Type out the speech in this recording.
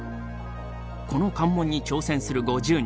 この関門に挑戦する５０人。